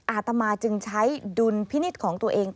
อาตมาจึงใช้ดุลพินิษฐ์ของตัวเอง